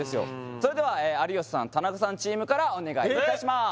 それでは有吉さん・田中さんチームからお願いいたします